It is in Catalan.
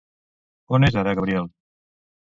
On és ara Gabriel?